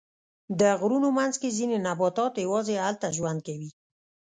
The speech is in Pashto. د غرونو منځ کې ځینې نباتات یواځې هلته ژوند کوي.